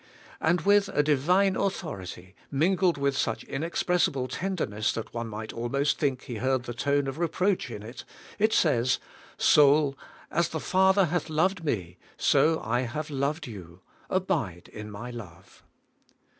And with a Divine au thority, mingled with such an inexpressible tender ness that one might almost think he heard the tone of reproach in it, it says, 'Soul, as the Father hath loved me, so I have loved you: abide in my love.'